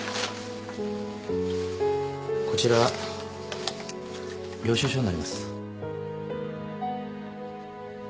こちら領収書になります。